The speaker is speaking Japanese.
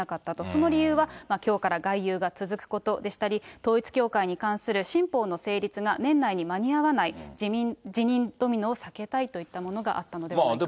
その理由は、きょうから外遊が続くことでしたり、統一教会に関する新法の成立が年内に間に合わない、辞任ドミノを避けたいといったものがあったのではないか。